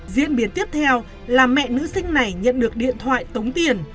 diễn biến tiếp theo là mẹ nữ sinh này nhận được điện thoại tống tiền